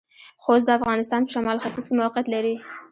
خوست د افغانستان پۀ شمالختيځ کې موقعيت لري.